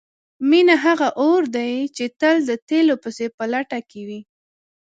مینه هغه اور دی چې تل د تیلو پسې په لټه کې وي.